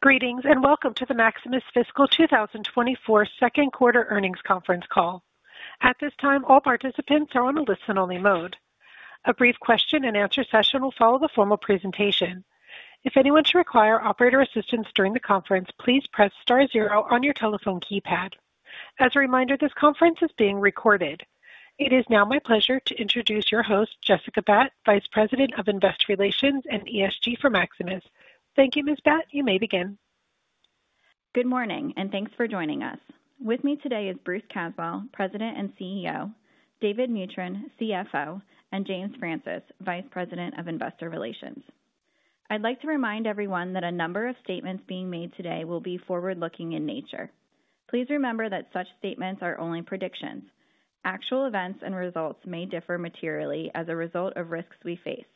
Greetings, and welcome to the Maximus Fiscal 2024 Second Quarter Earnings Conference Call. At this time, all participants are on a listen-only mode. A brief question and answer session will follow the formal presentation. If anyone should require operator assistance during the conference, please press star zero on your telephone keypad. As a reminder, this conference is being recorded. It is now my pleasure to introduce your host, Jessica Batt, Vice President of Investor Relations and ESG for Maximus. Thank you, Ms. Batt. You may begin. Good morning, and thanks for joining us. With me today is Bruce Caswell, President and CEO, David Mutryn, CFO, and James Francis, Vice President of Investor Relations. I'd like to remind everyone that a number of statements being made today will be forward-looking in nature. Please remember that such statements are only predictions. Actual events and results may differ materially as a result of risks we face,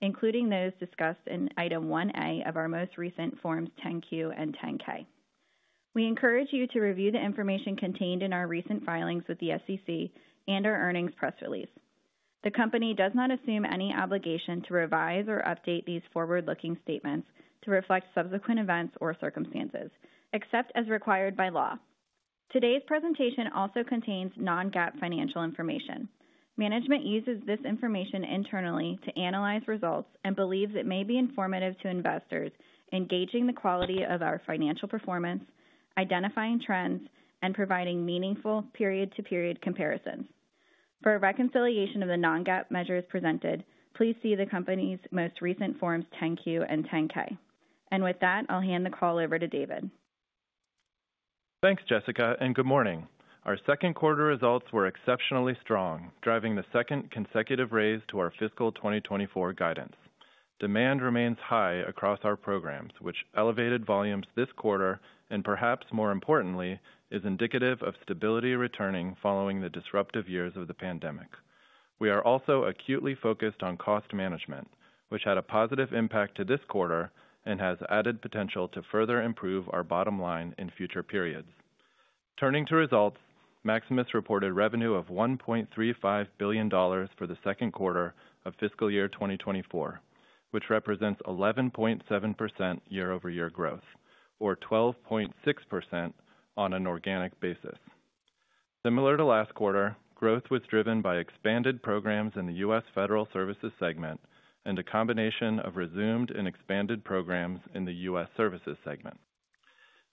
including those discussed in Item 1A of our most recent Forms 10-Q and 10-K. We encourage you to review the information contained in our recent filings with the SEC and our earnings press release. The company does not assume any obligation to revise or update these forward-looking statements to reflect subsequent events or circumstances, except as required by law. Today's presentation also contains non-GAAP financial information. Management uses this information internally to analyze results and believes it may be informative to investors in gauging the quality of our financial performance, identifying trends, and providing meaningful period-to-period comparisons. For a reconciliation of the non-GAAP measures presented, please see the company's most recent Forms 10-Q and 10-K. With that, I'll hand the call over to David. Thanks, Jessica, and good morning. Our second quarter results were exceptionally strong, driving the second consecutive raise to our fiscal 2024 guidance. Demand remains high across our programs, which elevated volumes this quarter, and perhaps more importantly, is indicative of stability returning following the disruptive years of the pandemic. We are also acutely focused on cost management, which had a positive impact to this quarter and has added potential to further improve our bottom line in future periods. Turning to results, Maximus reported revenue of $1.35 billion for the second quarter of fiscal year 2024, which represents 11.7% year-over-year growth or 12.6% on an organic basis. Similar to last quarter, growth was driven by expanded programs in the U.S. Federal Services segment and a combination of resumed and expanded programs in the U.S. Services segment.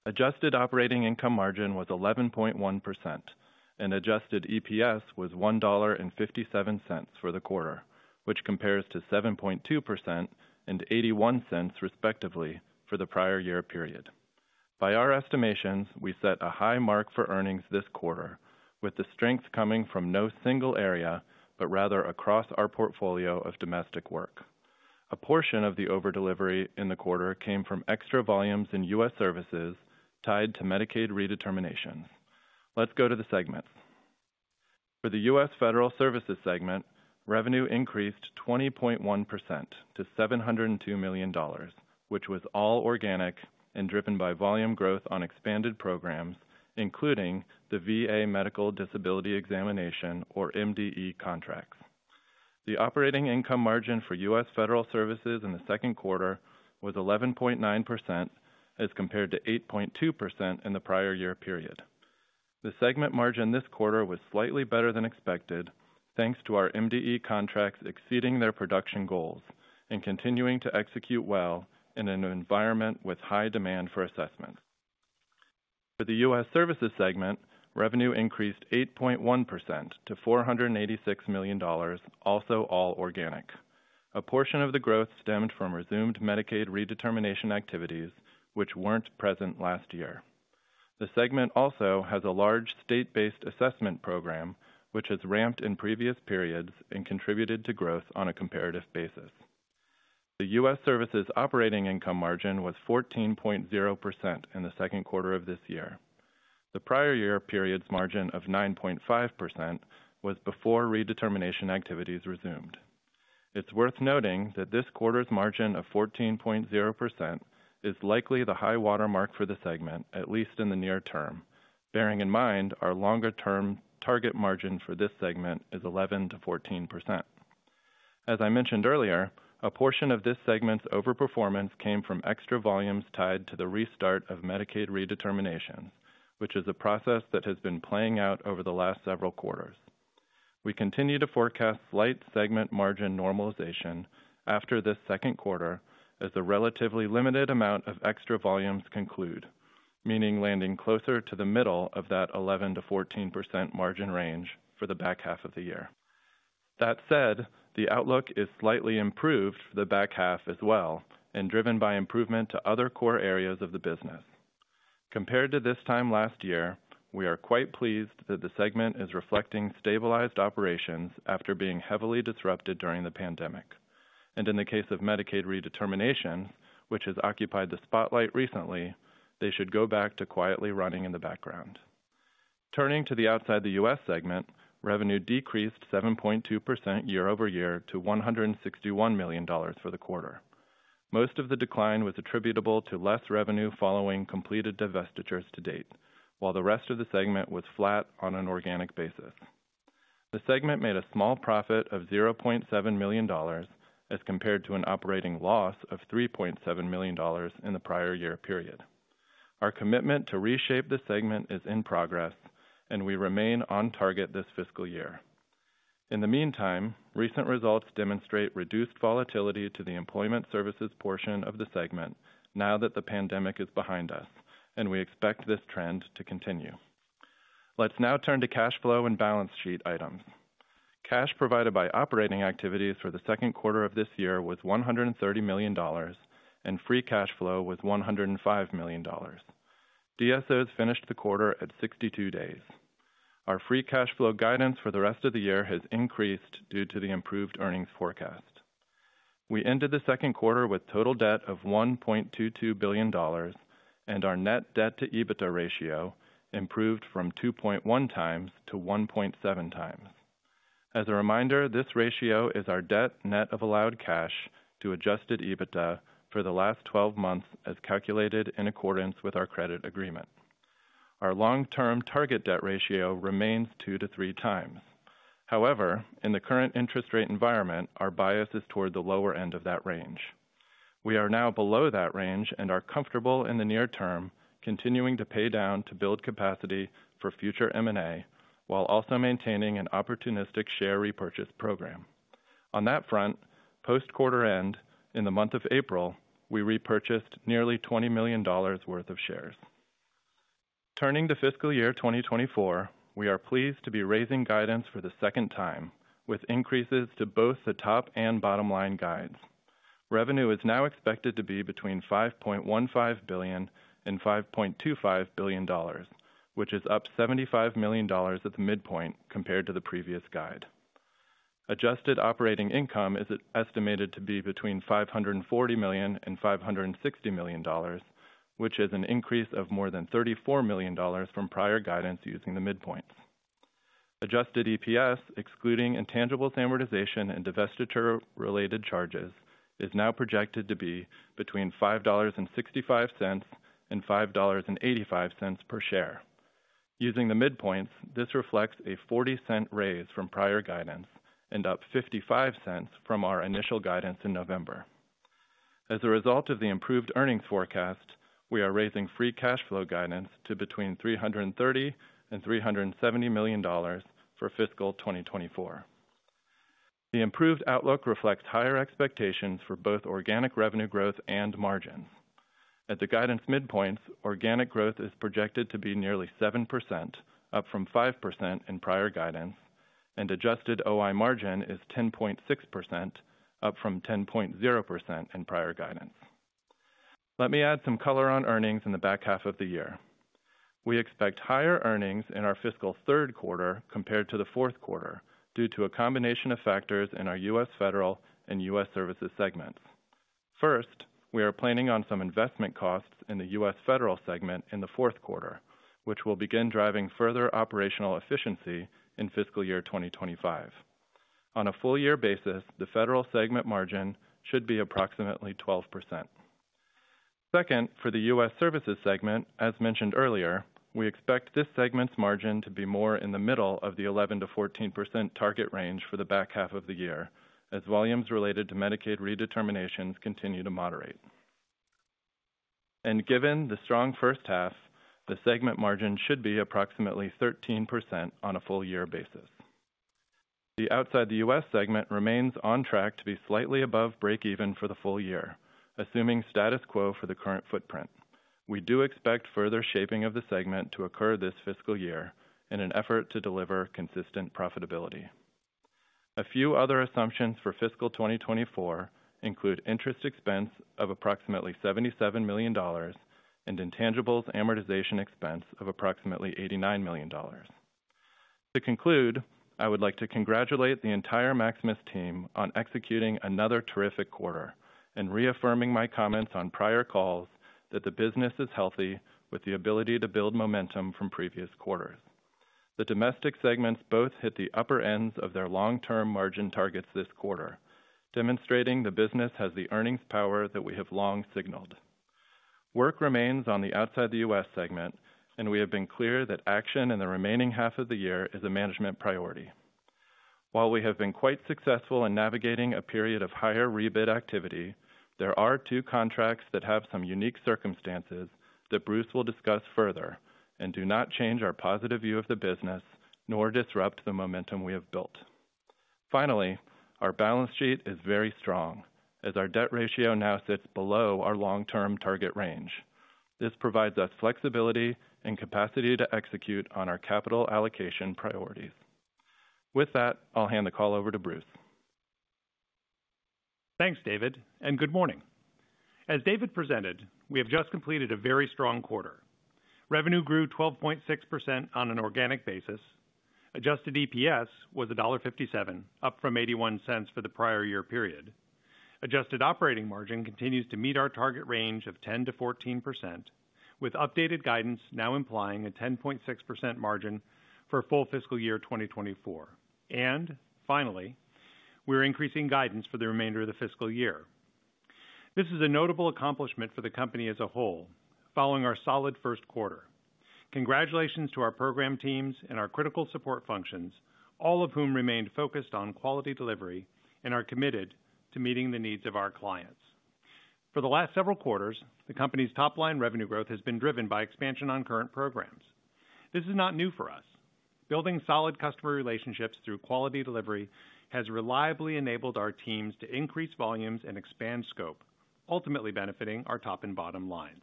Adjusted operating income margin was 11.1%, and Adjusted EPS was $1.57 for the quarter, which compares to 7.2% and $0.81, respectively, for the prior year period. By our estimations, we set a high mark for earnings this quarter, with the strength coming from no single area, but rather across our portfolio of domestic work. A portion of the over-delivery in the quarter came from extra volumes in U.S. Services tied to Medicaid redeterminations. Let's go to the segments. For the U.S. Federal Services segment, revenue increased 20.1% to $702 million, which was all organic and driven by volume growth on expanded programs, including the VA Medical Disability Examination, or MDE contracts. The operating income margin for U.S. Federal Services in the second quarter was 11.9%, as compared to 8.2% in the prior year period. The segment margin this quarter was slightly better than expected, thanks to our MDE contracts exceeding their production goals and continuing to execute well in an environment with high demand for assessment. For the U.S. Services segment, revenue increased 8.1% to $486 million, also all organic. A portion of the growth stemmed from resumed Medicaid redetermination activities, which weren't present last year. The U.S. Services operating income margin was 14.0% in the second quarter of this year. The prior year period's margin of 9.5% was before redetermination activities resumed. It's worth noting that this quarter's margin of 14.0% is likely the high water mark for the segment, at least in the near term, bearing in mind our longer-term target margin for this segment is 11%-14%. As I mentioned earlier, a portion of this segment's overperformance came from extra volumes tied to the restart of Medicaid redetermination, which is a process that has been playing out over the last several quarters. We continue to forecast slight segment margin normalization after this second quarter as a relatively limited amount of extra volumes conclude, meaning landing closer to the middle of that 11%-14% margin range for the back half of the year. That said, the outlook is slightly improved for the back half as well and driven by improvement to other core areas of the business. Compared to this time last year, we are quite pleased that the segment is reflecting stabilized operations after being heavily disrupted during the pandemic. In the case of Medicaid redetermination, which has occupied the spotlight recently, they should go back to quietly running in the background. Turning to the Outside the U.S. segment, revenue decreased 7.2% year-over-year to $161 million for the quarter. Most of the decline was attributable to less revenue following completed divestitures to date, while the rest of the segment was flat on an organic basis.... The segment made a small profit of $0.7 million, as compared to an operating loss of $3.7 million in the prior year period. Our commitment to reshape the segment is in progress, and we remain on target this fiscal year. In the meantime, recent results demonstrate reduced volatility to the employment services portion of the segment now that the pandemic is behind us, and we expect this trend to continue. Let's now turn to cash flow and balance sheet items. Cash provided by operating activities for the second quarter of this year was $130 million, and free cash flow was $105 million. DSOs finished the quarter at 62 days. Our free cash flow guidance for the rest of the year has increased due to the improved earnings forecast. We ended the second quarter with total debt of $1.22 billion, and our net debt to EBITDA ratio improved from 2.1x-1.7x. As a reminder, this ratio is our debt net of allowed cash to Adjusted EBITDA for the last 12 months, as calculated in accordance with our credit agreement. Our long-term target debt ratio remains 2x-3x. However, in the current interest rate environment, our bias is toward the lower end of that range. We are now below that range and are comfortable in the near term, continuing to pay down to build capacity for future M&A, while also maintaining an opportunistic share repurchase program. On that front, post-quarter end, in the month of April, we repurchased nearly $20 million worth of shares. Turning to fiscal year 2024, we are pleased to be raising guidance for the second time, with increases to both the top and bottom line guides. Revenue is now expected to be between $5.15 billion and $5.25 billion, which is up $75 million at the midpoint compared to the previous guide. Adjusted Operating Income is estimated to be between $540 million and $560 million, which is an increase of more than $34 million from prior guidance using the midpoints. Adjusted EPS, excluding intangibles amortization and divestiture-related charges, is now projected to be between $5.65 and $5.85 per share. Using the midpoints, this reflects a $0.40 raise from prior guidance and up $0.55 from our initial guidance in November. As a result of the improved earnings forecast, we are raising free cash flow guidance to between $330 million and $370 million for fiscal 2024. The improved outlook reflects higher expectations for both organic revenue growth and margins. At the guidance midpoints, organic growth is projected to be nearly 7%, up from 5% in prior guidance, and adjusted OI margin is 10.6%, up from 10.0% in prior guidance. Let me add some color on earnings in the back half of the year. We expect higher earnings in our fiscal third quarter compared to the fourth quarter, due to a combination of factors in our U.S. Federal and U.S. Services segments. First, we are planning on some investment costs in the U.S. Federal segment in the fourth quarter, which will begin driving further operational efficiency in fiscal year 2025. On a full year basis, the Federal segment margin should be approximately 12%. Second, for the U.S. Services segment, as mentioned earlier, we expect this segment's margin to be more in the middle of the 11%-14% target range for the back half of the year, as volumes related to Medicaid redeterminations continue to moderate. And given the strong first half, the segment margin should be approximately 13% on a full year basis. The Outside the U.S. segment remains on track to be slightly above break even for the full year, assuming status quo for the current footprint. We do expect further shaping of the segment to occur this fiscal year in an effort to deliver consistent profitability. A few other assumptions for fiscal 2024 include interest expense of approximately $77 million and intangibles amortization expense of approximately $89 million. To conclude, I would like to congratulate the entire Maximus team on executing another terrific quarter and reaffirming my comments on prior calls that the business is healthy, with the ability to build momentum from previous quarters. The domestic segments both hit the upper ends of their long-term margin targets this quarter, demonstrating the business has the earnings power that we have long signaled. Work remains on the Outside the U.S. segment, and we have been clear that action in the remaining half of the year is a management priority. While we have been quite successful in navigating a period of higher rebid activity, there are two contracts that have some unique circumstances that Bruce will discuss further and do not change our positive view of the business nor disrupt the momentum we have built. Finally, our balance sheet is very strong, as our debt ratio now sits below our long-term target range. This provides us flexibility and capacity to execute on our capital allocation priorities. With that, I'll hand the call over to Bruce. Thanks, David, and good morning. As David presented, we have just completed a very strong quarter. Revenue grew 12.6% on an organic basis. Adjusted EPS was $1.57, up from $0.81 for the prior year period. Adjusted operating margin continues to meet our target range of 10%-14%, with updated guidance now implying a 10.6% margin for full fiscal year 2024. And finally, we're increasing guidance for the remainder of the fiscal year. This is a notable accomplishment for the company as a whole, following our solid first quarter. Congratulations to our program teams and our critical support functions, all of whom remained focused on quality delivery and are committed to meeting the needs of our clients. For the last several quarters, the company's top-line revenue growth has been driven by expansion on current programs. This is not new for us. Building solid customer relationships through quality delivery has reliably enabled our teams to increase volumes and expand scope, ultimately benefiting our top and bottom lines.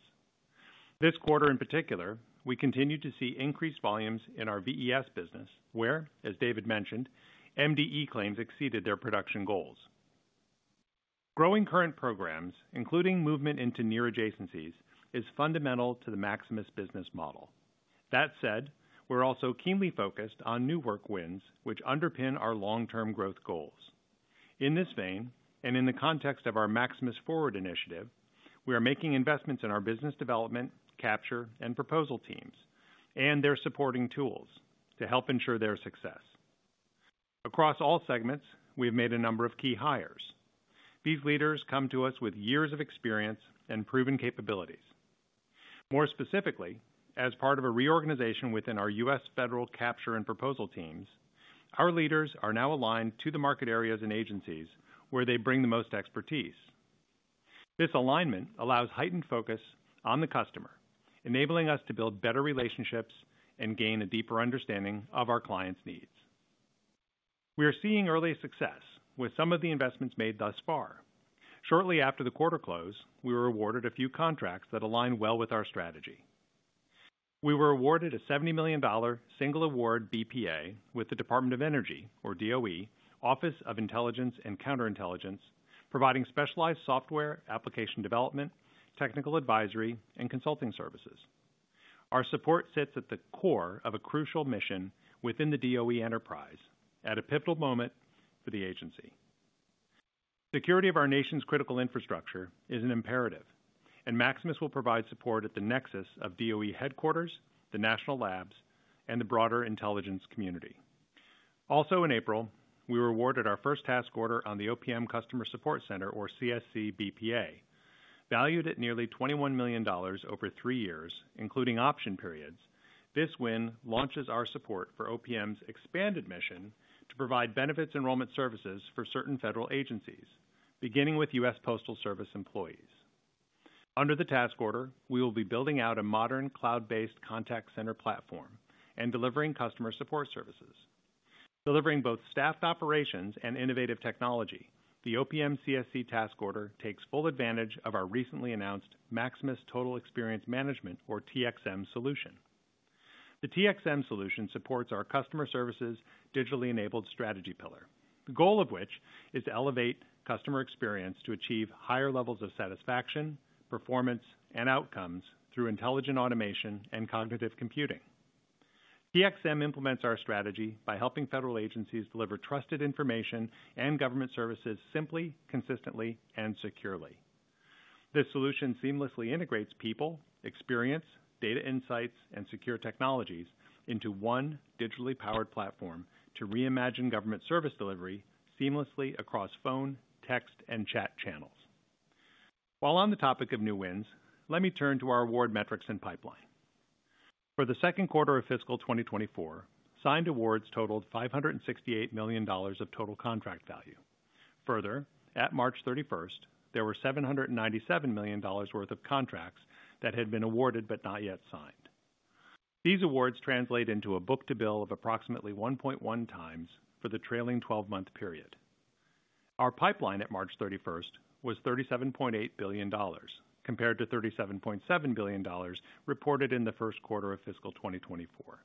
This quarter, in particular, we continued to see increased volumes in our VES business, where, as David mentioned, MDE claims exceeded their production goals. Growing current programs, including movement into near adjacencies, is fundamental to the Maximus business model. That said, we're also keenly focused on new work wins, which underpin our long-term growth goals. In this vein, and in the context of our Maximus Forward initiative, we are making investments in our business development, capture, and proposal teams, and their supporting tools to help ensure their success. Across all segments, we have made a number of key hires. These leaders come to us with years of experience and proven capabilities. More specifically, as part of a reorganization within our U.S. Federal Capture and Proposal teams, our leaders are now aligned to the market areas and agencies where they bring the most expertise. This alignment allows heightened focus on the customer, enabling us to build better relationships and gain a deeper understanding of our clients' needs. We are seeing early success with some of the investments made thus far. Shortly after the quarter close, we were awarded a few contracts that align well with our strategy. We were awarded a $70 million single award BPA with the Department of Energy, or DOE, Office of Intelligence and Counterintelligence, providing specialized software, application development, technical advisory, and consulting services. Our support sits at the core of a crucial mission within the DOE enterprise at a pivotal moment for the agency. Security of our nation's critical infrastructure is an imperative, and Maximus will provide support at the nexus of DOE headquarters, the national labs, and the broader intelligence community. Also, in April, we were awarded our first task order on the OPM Customer Support Center, or CSC BPA. Valued at nearly $21 million over three years, including option periods, this win launches our support for OPM's expanded mission to provide benefits enrollment services for certain federal agencies, beginning with U.S. Postal Service employees. Under the task order, we will be building out a modern, cloud-based contact center platform and delivering customer support services. Delivering both staffed operations and innovative technology, the OPM CSC task order takes full advantage of our recently announced Maximus Total Experience Management, or TXM, solution. The TXM solution supports our customer services digitally enabled strategy pillar, the goal of which is to elevate customer experience to achieve higher levels of satisfaction, performance, and outcomes through intelligent automation and cognitive computing. TXM implements our strategy by helping federal agencies deliver trusted information and government services simply, consistently, and securely. This solution seamlessly integrates people, experience, data insights, and secure technologies into one digitally powered platform to reimagine government service delivery seamlessly across phone, text, and chat channels. While on the topic of new wins, let me turn to our award metrics and pipeline. For the second quarter of fiscal 2024, signed awards totaled $568 million of total contract value. Further, at March 31, there were $797 million worth of contracts that had been awarded but not yet signed. These awards translate into a book-to-bill of approximately 1.1x for the trailing 12-month period. Our pipeline at March 31 was $37.8 billion, compared to $37.7 billion reported in the first quarter of fiscal 2024.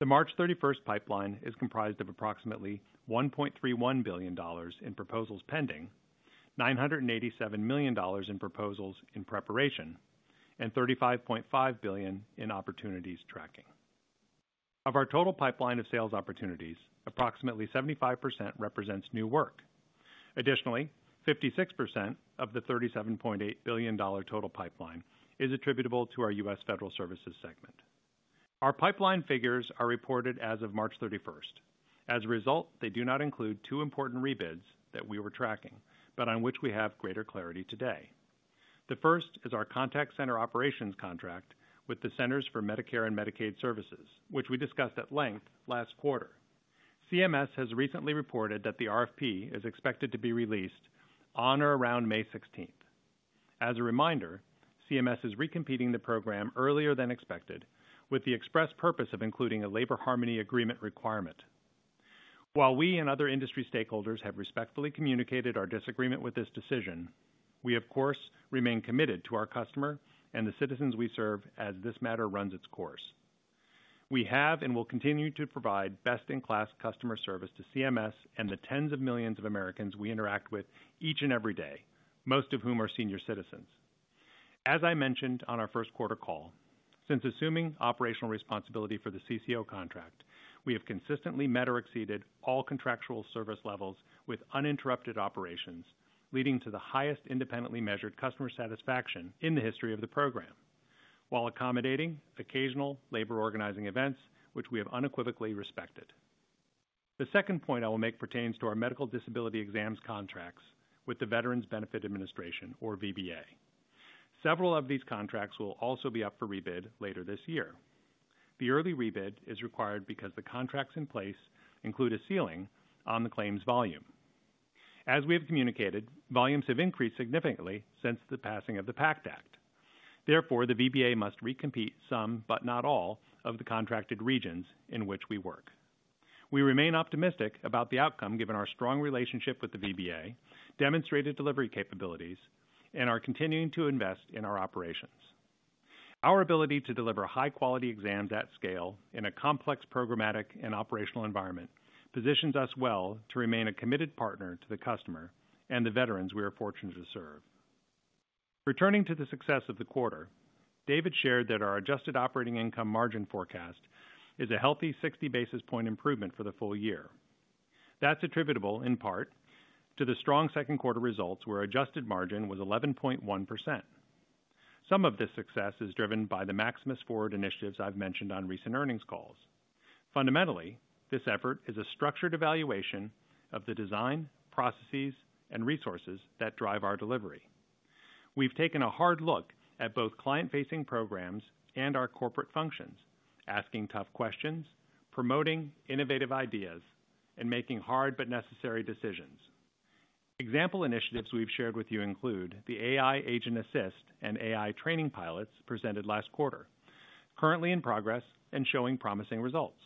The March 31 pipeline is comprised of approximately $1.31 billion in proposals pending, $987 million in proposals in preparation, and $35.5 billion in opportunities tracking. Of our total pipeline of sales opportunities, approximately 75% represents new work. Additionally, 56% of the $37.8 billion total pipeline is attributable to our U.S. Federal Services segment. Our pipeline figures are reported as of March 31. As a result, they do not include two important rebids that we were tracking, but on which we have greater clarity today. The first is our contact center operations contract with the Centers for Medicare & Medicaid Services, which we discussed at length last quarter. CMS has recently reported that the RFP is expected to be released on or around May 16th. As a reminder, CMS is recompeting the program earlier than expected, with the express purpose of including a Labor Harmony Agreement requirement. While we and other industry stakeholders have respectfully communicated our disagreement with this decision, we of course remain committed to our customer and the citizens we serve as this matter runs its course. We have and will continue to provide best-in-class customer service to CMS and the tens of millions of Americans we interact with each and every day, most of whom are senior citizens. As I mentioned on our first quarter call, since assuming operational responsibility for the CCO contract, we have consistently met or exceeded all contractual service levels with uninterrupted operations, leading to the highest independently measured customer satisfaction in the history of the program, while accommodating occasional labor organizing events, which we have unequivocally respected. The second point I will make pertains to our medical disability exams contracts with the Veterans Benefits Administration, or VBA. Several of these contracts will also be up for rebid later this year. The early rebid is required because the contracts in place include a ceiling on the claims volume. As we have communicated, volumes have increased significantly since the passing of the PACT Act. Therefore, the VBA must recompete some, but not all, of the contracted regions in which we work. We remain optimistic about the outcome, given our strong relationship with the VBA, demonstrated delivery capabilities, and are continuing to invest in our operations. Our ability to deliver high-quality exams at scale in a complex programmatic and operational environment, positions us well to remain a committed partner to the customer and the veterans we are fortunate to serve. Returning to the success of the quarter, David shared that our Adjusted Operating Income margin forecast is a healthy 60 basis point improvement for the full year. That's attributable in part to the strong second quarter results, where adjusted margin was 11.1%. Some of this success is driven by the Maximus Forward initiatives I've mentioned on recent earnings calls. Fundamentally, this effort is a structured evaluation of the design, processes, and resources that drive our delivery. We've taken a hard look at both client-facing programs and our corporate functions, asking tough questions, promoting innovative ideas, and making hard but necessary decisions. Example initiatives we've shared with you include the AI Agent Assist and AI training pilots presented last quarter, currently in progress and showing promising results.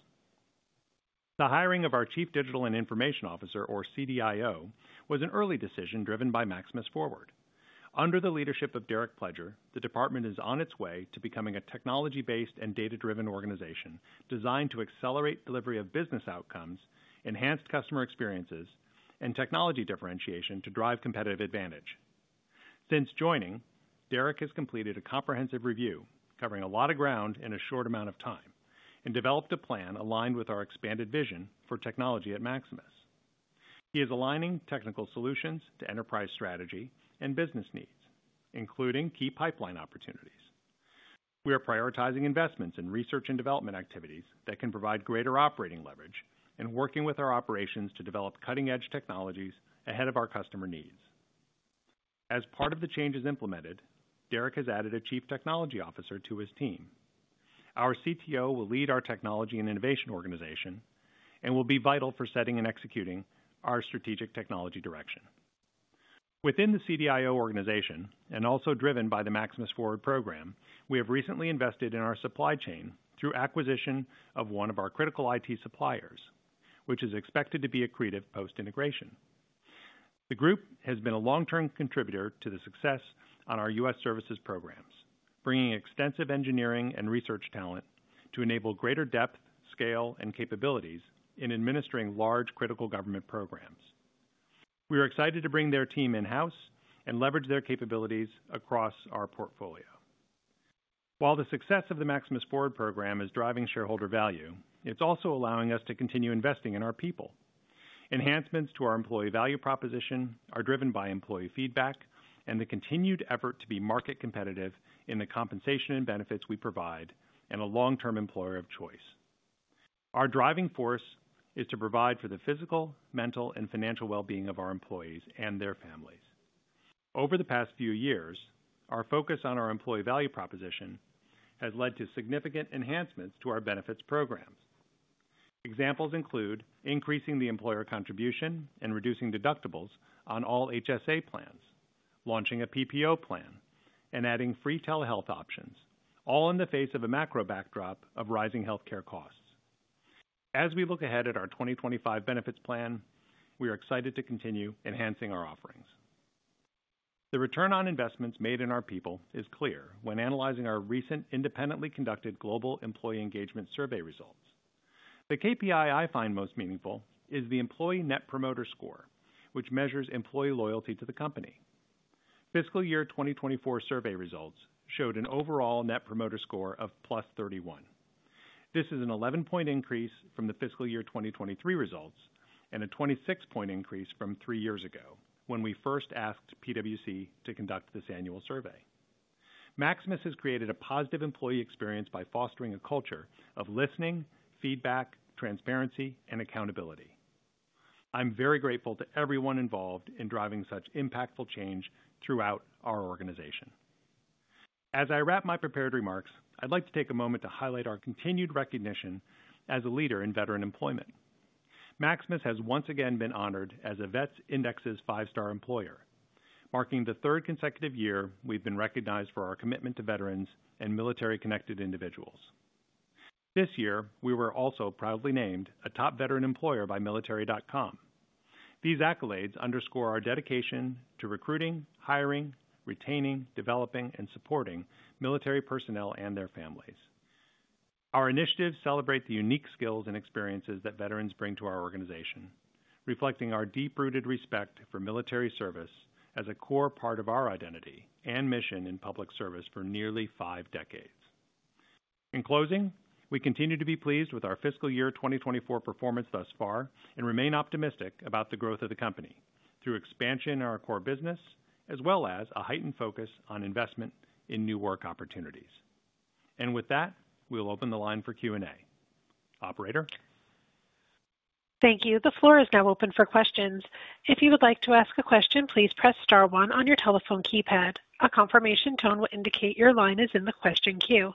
The hiring of our Chief Digital and Information Officer, or CDIO, was an early decision driven by Maximus Forward. Under the leadership of Derek Pledger, the department is on its way to becoming a technology-based and data-driven organization designed to accelerate delivery of business outcomes, enhanced customer experiences, and technology differentiation to drive competitive advantage. Since joining, Derek has completed a comprehensive review covering a lot of ground in a short amount of time and developed a plan aligned with our expanded vision for technology at Maximus. He is aligning technical solutions to enterprise strategy and business needs, including key pipeline opportunities. We are prioritizing investments in research and development activities that can provide greater operating leverage and working with our operations to develop cutting-edge technologies ahead of our customer needs. As part of the changes implemented, Derek has added a Chief Technology Officer to his team. Our CTO will lead our technology and innovation organization and will be vital for setting and executing our strategic technology direction. Within the CDIO organization and also driven by the Maximus Forward program, we have recently invested in our supply chain through acquisition of one of our critical IT suppliers, which is expected to be accretive post-integration. The group has been a long-term contributor to the success on our U.S. services programs, bringing extensive engineering and research talent to enable greater depth, scale, and capabilities in administering large critical government programs. We are excited to bring their team in-house and leverage their capabilities across our portfolio. While the success of the Maximus Forward program is driving shareholder value, it's also allowing us to continue investing in our people. Enhancements to our employee value proposition are driven by employee feedback and the continued effort to be market competitive in the compensation and benefits we provide, and a long-term employer of choice. Our driving force is to provide for the physical, mental, and financial well-being of our employees and their families. Over the past few years, our focus on our employee value proposition has led to significant enhancements to our benefits programs. Examples include increasing the employer contribution and reducing deductibles on all HSA plans, launching a PPO plan, and adding free telehealth options, all in the face of a macro backdrop of rising healthcare costs. As we look ahead at our 2025 benefits plan, we are excited to continue enhancing our offerings. The return on investments made in our people is clear when analyzing our recent independently conducted Global Employee Engagement Survey results. The KPI I find most meaningful is the employee Net Promoter Score, which measures employee loyalty to the company. Fiscal year 2024 survey results showed an overall Net Promoter Score of +31. This is an 11-point increase from the fiscal year 2023 results and a 26-point increase from three years ago when we first asked PwC to conduct this annual survey. Maximus has created a positive employee experience by fostering a culture of listening, feedback, transparency, and accountability. I'm very grateful to everyone involved in driving such impactful change throughout our organization. As I wrap my prepared remarks, I'd like to take a moment to highlight our continued recognition as a leader in veteran employment. Maximus has once again been honored as a Vets Indexes' Five-Star Employer, marking the third consecutive year we've been recognized for our commitment to veterans and military-connected individuals. This year, we were also proudly named a Top Veteran Employer by Military.com. These accolades underscore our dedication to recruiting, hiring, retaining, developing, and supporting military personnel and their families. Our initiatives celebrate the unique skills and experiences that veterans bring to our organization, reflecting our deep-rooted respect for military service as a core part of our identity and mission in public service for nearly five decades. In closing, we continue to be pleased with our fiscal year 2024 performance thus far and remain optimistic about the growth of the company through expansion in our core business, as well as a heightened focus on investment in new work opportunities. And with that, we'll open the line for Q&A. Operator? Thank you. The floor is now open for questions. If you would like to ask a question, please press star one on your telephone keypad. A confirmation tone will indicate your line is in the question queue.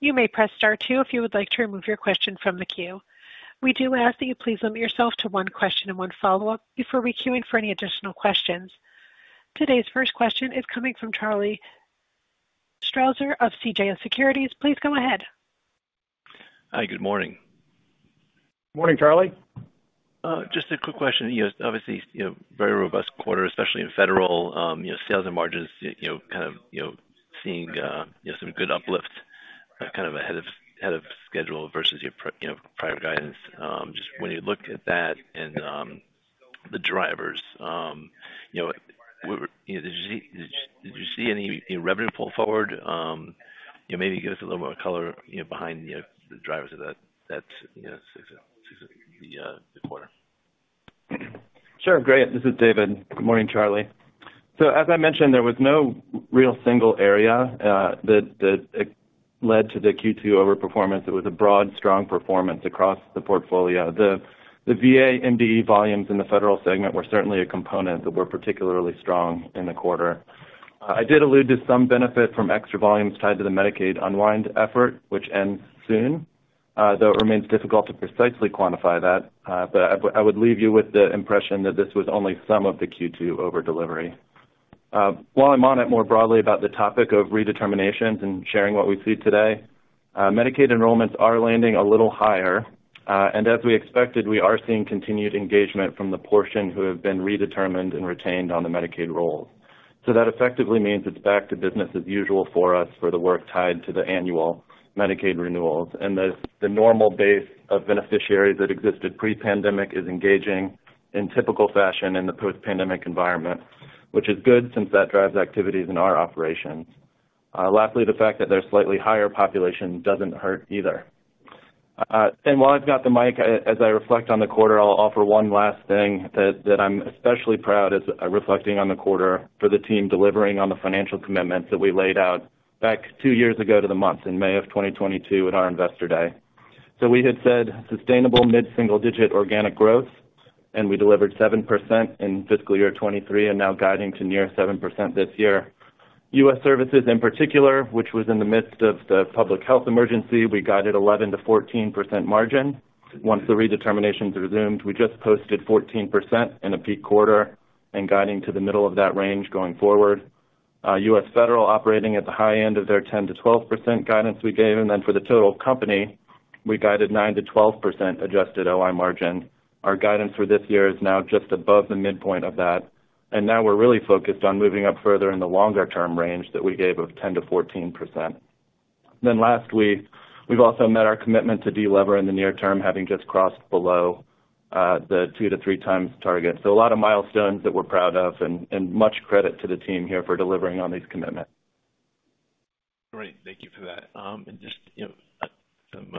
You may press star two if you would like to remove your question from the queue. We do ask that you please limit yourself to one question and one follow-up before re-queuing for any additional questions. Today's first question is coming from Charlie Strauzer of CJS Securities. Please go ahead. Hi, good morning. Morning, Charlie. Just a quick question. You know, obviously, you know, very robust quarter, especially in federal, you know, sales and margins, you know, kind of, you know, seeing, you know, some good uplift, kind of, ahead of, ahead of schedule versus your prior guidance. Just when you look at that and, the drivers, you know, did you see, did you, did you see any, any revenue pull forward? You know, maybe give us a little more color, you know, behind, you know, the drivers of that, that, you know, success the, the quarter. Sure. Great. This is David. Good morning, Charlie. So as I mentioned, there was no real single area that led to the Q2 overperformance. It was a broad, strong performance across the portfolio. The VA MDE volumes in the federal segment were certainly a component that were particularly strong in the quarter. I did allude to some benefit from extra volumes tied to the Medicaid unwind effort, which ends soon, though it remains difficult to precisely quantify that. But I would leave you with the impression that this was only some of the Q2 over-delivery. While I'm on it, more broadly about the topic of redeterminations and sharing what we see today, Medicaid enrollments are landing a little higher, and as we expected, we are seeing continued engagement from the portion who have been redetermined and retained on the Medicaid roll. So that effectively means it's back to business as usual for us for the work tied to the annual Medicaid renewals. The normal base of beneficiaries that existed pre-pandemic is engaging in typical fashion in the post-pandemic environment, which is good since that drives activities in our operations. Lastly, the fact that there's slightly higher population doesn't hurt either. And while I've got the mic, as I reflect on the quarter, I'll offer one last thing that, that I'm especially proud as reflecting on the quarter for the team, delivering on the financial commitments that we laid out back two years ago to the month, in May of 2022 at our Investor Day. So we had said sustainable mid-single-digit organic growth, and we delivered 7% in fiscal year 2023, and now guiding to near 7% this year. U.S. Services in particular, which was in the midst of the public health emergency, we guided 11%-14% margin. Once the redeterminations resumed, we just posted 14% in a peak quarter and guiding to the middle of that range going forward. U.S. Federal operating at the high end of their 10%-12% guidance we gave them, and then for the total company, we guided 9%-12% adjusted OI margin. Our guidance for this year is now just above the midpoint of that, and now we're really focused on moving up further in the longer-term range that we gave of 10%-14%. Then last week, we've also met our commitment to delever in the near term, having just crossed below the 2-3x target. So a lot of milestones that we're proud of and, and much credit to the team here for delivering on these commitments. Great. Thank you for that. Just, you know, some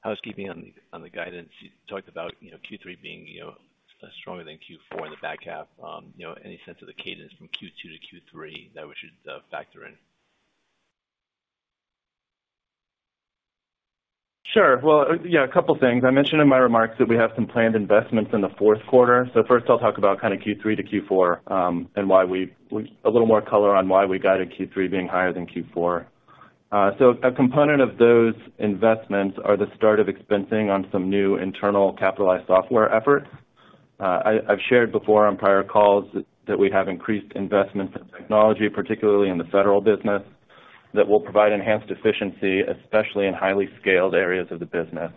housekeeping on the guidance. You talked about, you know, Q3 being, you know, stronger than Q4 in the back half. You know, any sense of the cadence from Q2 to Q3 that we should factor in? Sure. Well, yeah, a couple things. I mentioned in my remarks that we have some planned investments in the fourth quarter. So first, I'll talk about kind of Q3 to Q4, and why we—a little more color on why we guided Q3 being higher than Q4. So a component of those investments are the start of expensing on some new internal capitalized software efforts. I, I've shared before on prior calls that we have increased investments in technology, particularly in the federal business, that will provide enhanced efficiency, especially in highly scaled areas of the business.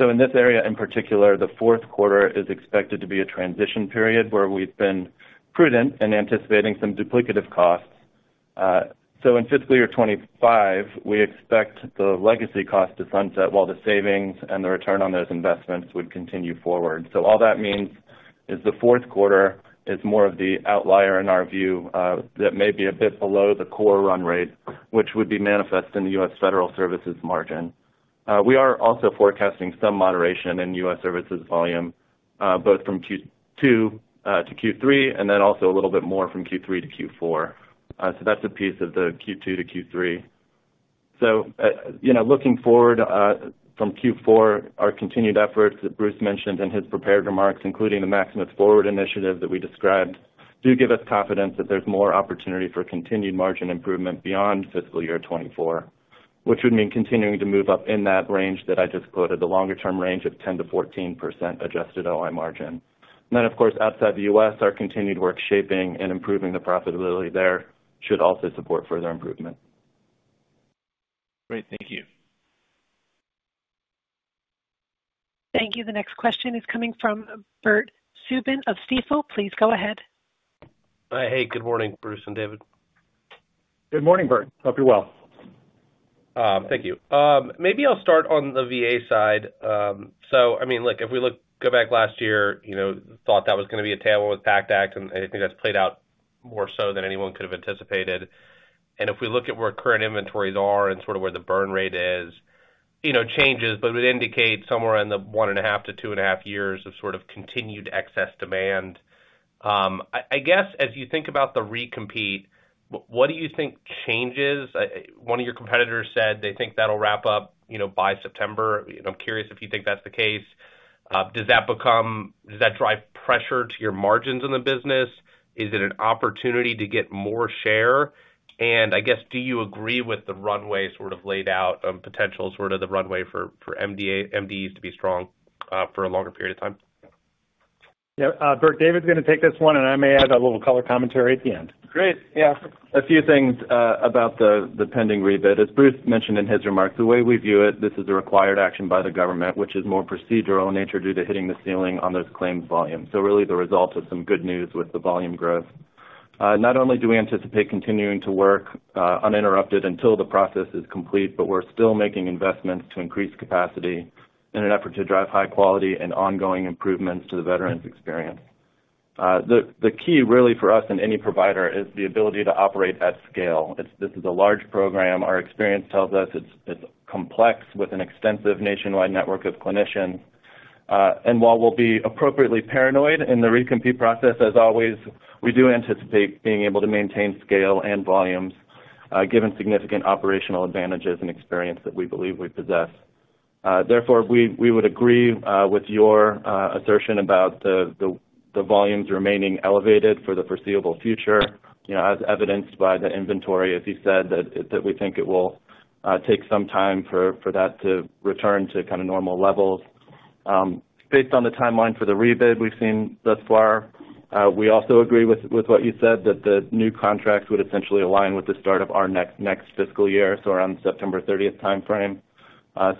So in this area, in particular, the fourth quarter is expected to be a transition period where we've been prudent in anticipating some duplicative costs. So in fiscal year 2025, we expect the legacy cost to sunset while the savings and the return on those investments would continue forward. So all that means is the fourth quarter is more of the outlier in our view, that may be a bit below the core run rate, which would be manifest in the U.S. Federal Services margin. We are also forecasting some moderation in U.S. Services volume, both from Q2 to Q3, and then also a little bit more from Q3 to Q4. So that's a piece of the Q2 to Q3. You know, looking forward from Q4, our continued efforts that Bruce mentioned in his prepared remarks, including the Maximus Forward initiative that we described, do give us confidence that there's more opportunity for continued margin improvement beyond fiscal year 2024, which would mean continuing to move up in that range that I just quoted, the longer-term range of 10%-14% adjusted OI margin. Then, of course, Outside the U.S., our continued work shaping and improving the profitability there should also support further improvement. Great. Thank you. Thank you. The next question is coming from Bert Subin of Stifel. Please go ahead. Hey, good morning, Bruce and David. Good morning, Bert. Hope you're well. Thank you. Maybe I'll start on the VA side. So I mean, look, if we look, go back last year, you know, thought that was gonna be a tailwind with PACT Act, and I think that's played out more so than anyone could have anticipated. If we look at where current inventories are and sort of where the burn rate is- ... you know, changes, but it indicates somewhere in the 1.5-2.5 years of sort of continued excess demand. I guess, as you think about the re-compete, what do you think changes? One of your competitors said they think that'll wrap up, you know, by September. You know, I'm curious if you think that's the case. Does that drive pressure to your margins in the business? Is it an opportunity to get more share? And I guess, do you agree with the runway sort of laid out, potential sort of the runway for MDEs to be strong, for a longer period of time? Yeah, Bert, David's gonna take this one, and I may add a little color commentary at the end. Great, yeah. A few things about the pending rebid. As Bruce mentioned in his remarks, the way we view it, this is a required action by the government, which is more procedural in nature due to hitting the ceiling on those claims volumes. So really, the result of some good news with the volume growth. Not only do we anticipate continuing to work uninterrupted until the process is complete, but we're still making investments to increase capacity in an effort to drive high quality and ongoing improvements to the veterans' experience. The key, really, for us and any provider, is the ability to operate at scale. It's. This is a large program. Our experience tells us it's complex, with an extensive nationwide network of clinicians. And while we'll be appropriately paranoid in the re-compete process, as always, we do anticipate being able to maintain scale and volumes, given significant operational advantages and experience that we believe we possess. Therefore, we would agree with your assertion about the volumes remaining elevated for the foreseeable future, you know, as evidenced by the inventory, as you said, that we think it will take some time for that to return to kinda normal levels. Based on the timeline for the rebid we've seen thus far, we also agree with what you said, that the new contracts would essentially align with the start of our next fiscal year, so around September thirtieth timeframe.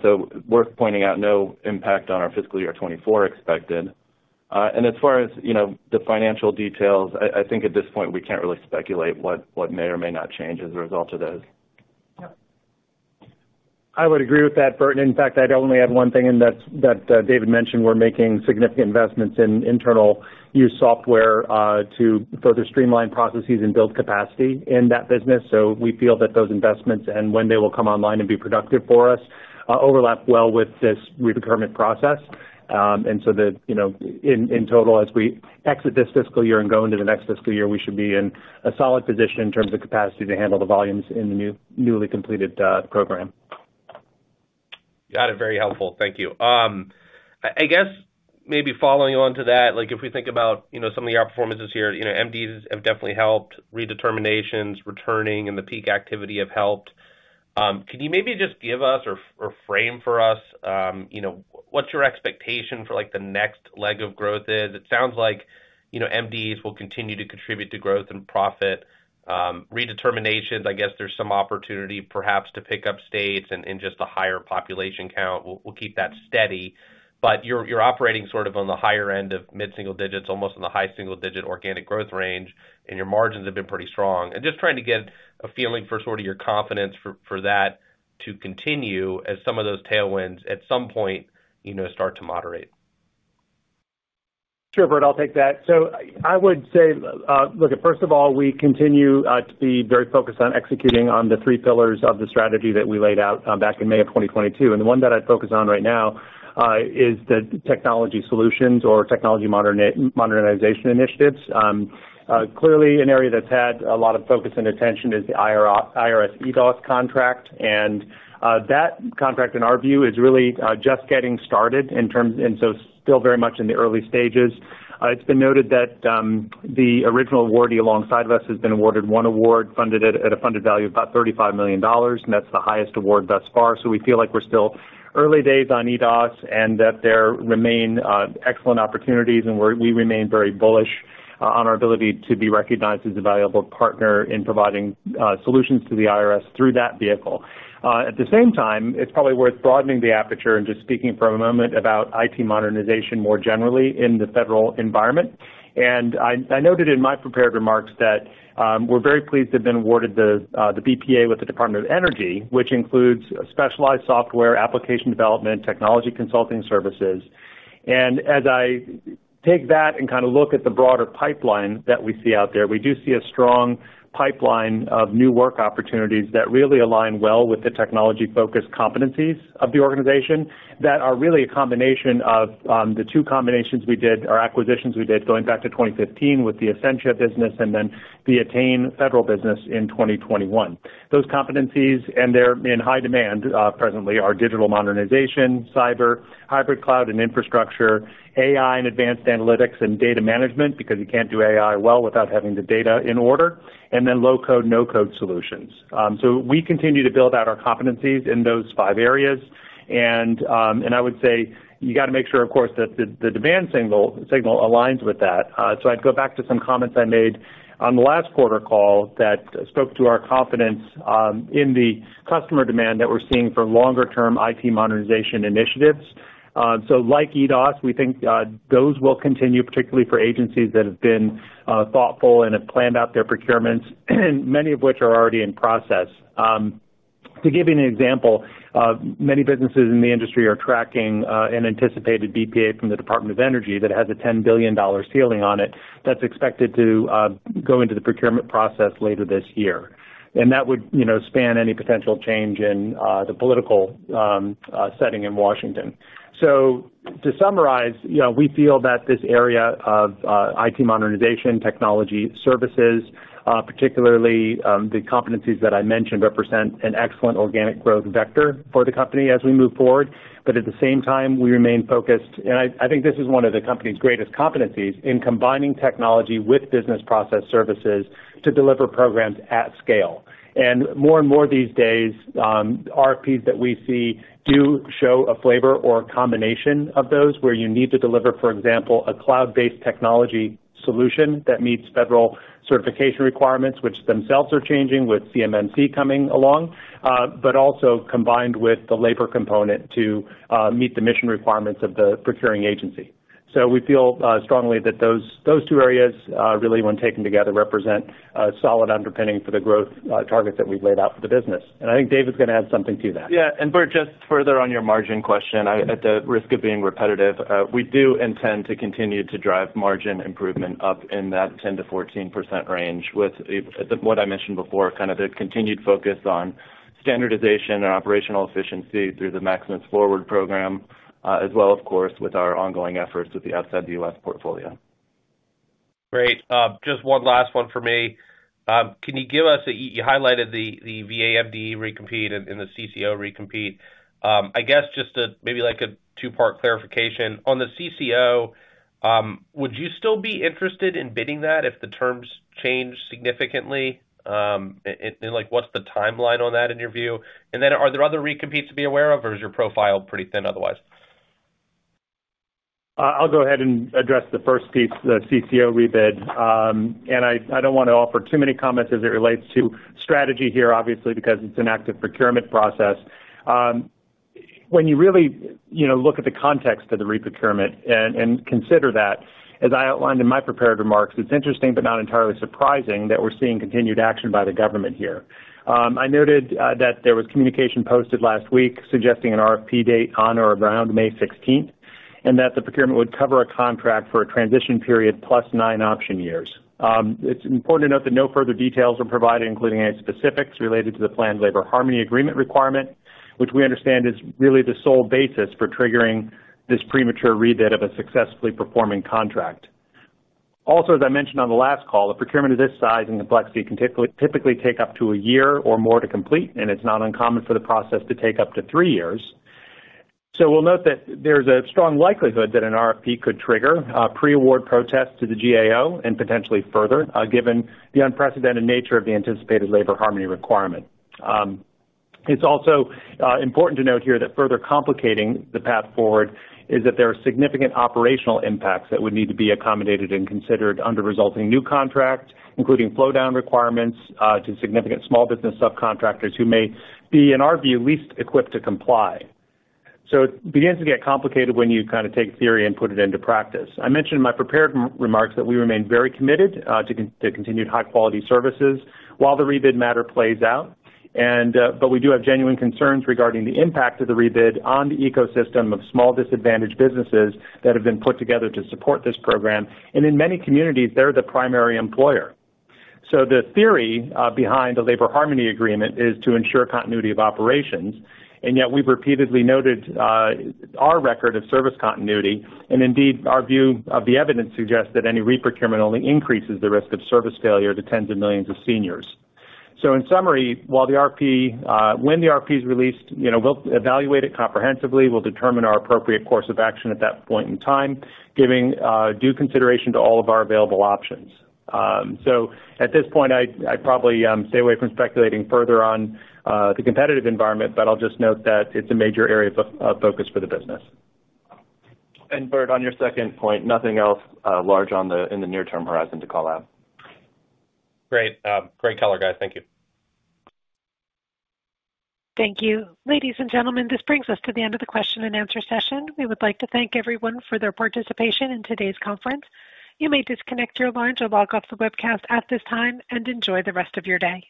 So worth pointing out, no impact on our fiscal year 2024 expected. And as far as, you know, the financial details, I think at this point, we can't really speculate what may or may not change as a result of this. I would agree with that, Bert. In fact, I'd only add one thing, and that's David mentioned, we're making significant investments in internal use software to further streamline processes and build capacity in that business. So we feel that those investments and when they will come online and be productive for us overlap well with this re-procurement process. And so that, you know, in total, as we exit this fiscal year and go into the next fiscal year, we should be in a solid position in terms of capacity to handle the volumes in the newly completed program. Got it. Very helpful. Thank you. I guess maybe following on to that, like, if we think about, you know, some of the outperformances here, you know, MDEs have definitely helped, redeterminations, returning and the peak activity have helped. Can you maybe just give us or frame for us, you know, what's your expectation for, like, the next leg of growth is? It sounds like, you know, MDEs will continue to contribute to growth and profit. Redeterminations, I guess there's some opportunity perhaps to pick up states and just the higher population count. We'll keep that steady. But you're operating sort of on the higher end of mid-single digits, almost in the high single digit organic growth range, and your margins have been pretty strong. Just trying to get a feeling for sort of your confidence for that to continue as some of those tailwinds, at some point, you know, start to moderate? Sure, Bert, I'll take that. So I would say, look, first of all, we continue to be very focused on executing on the three pillars of the strategy that we laid out back in May of 2022. And the one that I'd focus on right now is the technology solutions or technology modernization initiatives. Clearly, an area that's had a lot of focus and attention is the IRS EDOS contract, and that contract, in our view, is really just getting started in terms. And so still very much in the early stages. It's been noted that the original awardee alongside of us has been awarded one award, funded at a funded value of about $35 million, and that's the highest award thus far. So we feel like we're still early days on EDOS, and that there remain excellent opportunities, and we remain very bullish on our ability to be recognized as a valuable partner in providing solutions to the IRS through that vehicle. At the same time, it's probably worth broadening the aperture and just speaking for a moment about IT modernization more generally in the federal environment. I noted in my prepared remarks that we're very pleased to have been awarded the BPA with the Department of Energy, which includes specialized software, application development, technology consulting services. As I take that and kinda look at the broader pipeline that we see out there, we do see a strong pipeline of new work opportunities that really align well with the technology-focused competencies of the organization, that are really a combination of the two combinations we did, or acquisitions we did, going back to 2015 with the Acentia business and then the Attain Federal business in 2021. Those competencies, and they're in high demand presently, are digital modernization, cyber, hybrid cloud and infrastructure, AI and advanced analytics and data management, because you can't do AI well without having the data in order, and then low-code, no-code solutions. So we continue to build out our competencies in those five areas. And I would say you got to make sure, of course, that the demand signal aligns with that. So I'd go back to some comments I made on the last quarter call that spoke to our confidence in the customer demand that we're seeing for longer-term IT modernization initiatives. So like EDOS, we think those will continue, particularly for agencies that have been thoughtful and have planned out their procurements, many of which are already in process. To give you an example, many businesses in the industry are tracking an anticipated BPA from the Department of Energy that has a $10 billion ceiling on it that's expected to go into the procurement process later this year. And that would, you know, span any potential change in the political setting in Washington. So to summarize, you know, we feel that this area of IT modernization, technology services, particularly, the competencies that I mentioned, represent an excellent organic growth vector for the company as we move forward. But at the same time, we remain focused, and I think this is one of the company's greatest competencies, in combining technology with business process services to deliver programs at scale. And more and more these days, RFPs that we see do show a flavor or a combination of those where you need to deliver, for example, a cloud-based technology solution that meets federal certification requirements, which themselves are changing with CMMC coming along, but also combined with the labor component to meet the mission requirements of the procuring agency. So we feel strongly that those, those two areas really, when taken together, represent a solid underpinning for the growth target that we've laid out for the business. And I think David's gonna add something to that. Yeah, and Bert, just further on your margin question, I, at the risk of being repetitive, we do intend to continue to drive margin improvement up in that 10%-14% range with what I mentioned before, kind of the continued focus on standardization and operational efficiency through the Maximus Forward program, as well, of course, with our ongoing efforts with the outside-the-U.S. portfolio. Great. Just one last one for me. Can you give us a, you highlighted the VA MDE recompete and the CCO recompete. I guess just maybe like a two-part clarification. On the CCO, would you still be interested in bidding that if the terms change significantly? And, like, what's the timeline on that in your view? And then are there other recompetes to be aware of, or is your profile pretty thin otherwise? I'll go ahead and address the first piece, the CCO rebid. And I don't want to offer too many comments as it relates to strategy here, obviously, because it's an active procurement process. When you really, you know, look at the context of the reprocurement and consider that, as I outlined in my prepared remarks, it's interesting, but not entirely surprising, that we're seeing continued action by the government here. I noted that there was communication posted last week suggesting an RFP date on or around May sixteenth, and that the procurement would cover a contract for a transition period plus nine option years. It's important to note that no further details are provided, including any specifics related to the planned Labor Harmony Agreement requirement, which we understand is really the sole basis for triggering this premature rebid of a successfully performing contract. Also, as I mentioned on the last call, a procurement of this size and complexity can typically take up to a year or more to complete, and it's not uncommon for the process to take up to three years. So we'll note that there's a strong likelihood that an RFP could trigger pre-award protests to the GAO and potentially further, given the unprecedented nature of the anticipated Labor Harmony Agreement requirement. It's also important to note here that further complicating the path forward is that there are significant operational impacts that would need to be accommodated and considered under resulting new contracts, including flow-down requirements to significant small business subcontractors who may be, in our view, least equipped to comply. So it begins to get complicated when you kind of take theory and put it into practice. I mentioned in my prepared remarks that we remain very committed to continued high-quality services while the rebid matter plays out. But we do have genuine concerns regarding the impact of the rebid on the ecosystem of small, disadvantaged businesses that have been put together to support this program, and in many communities, they're the primary employer. So the theory behind the Labor Harmony Agreement is to ensure continuity of operations, and yet we've repeatedly noted our record of service continuity, and indeed, our view of the evidence suggests that any reprocurement only increases the risk of service failure to tens of millions of seniors. So in summary, while the RFP, when the RFP is released, you know, we'll evaluate it comprehensively. We'll determine our appropriate course of action at that point in time, giving due consideration to all of our available options. So at this point, I'd probably stay away from speculating further on the competitive environment, but I'll just note that it's a major area of focus for the business. Bert, on your second point, nothing else large on the in the near-term horizon to call out. Great. Great color, guys. Thank you. Thank you. Ladies and gentlemen, this brings us to the end of the question and answer session. We would like to thank everyone for their participation in today's conference. You may disconnect your lines or log off the webcast at this time, and enjoy the rest of your day.